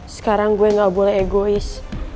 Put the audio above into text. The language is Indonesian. sekarang gue gak boleh egois